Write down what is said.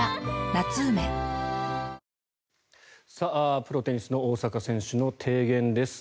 プロテニスの大坂選手の提言です。